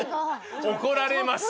怒られます！